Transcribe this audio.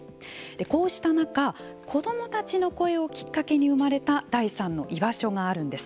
こうした中、子どもたちの声をきっかけに生まれた第３の居場所があるんです。